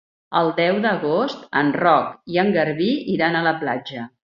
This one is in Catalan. El deu d'agost en Roc i en Garbí iran a la platja.